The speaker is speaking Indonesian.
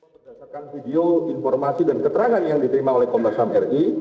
berdasarkan video informasi dan keterangan yang diterima oleh komnas ham ri